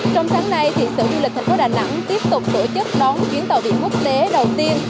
trong sáng nay sở du lịch thành phố đà nẵng tiếp tục tổ chức đón chuyến tàu biển quốc tế đầu tiên